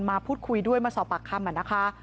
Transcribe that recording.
มาพูดคุยด้วยมาสอบปากคำนะคะ